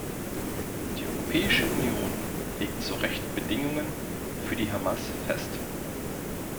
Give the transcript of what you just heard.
Die Europäische Union legt zu Recht Bedingungen für die Hamas fest.